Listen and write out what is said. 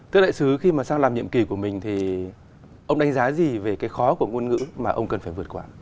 thưa đại sứ khi mà sang làm nhiệm kỳ của mình thì ông đánh giá gì về cái khó của ngôn ngữ mà ông cần phải vượt qua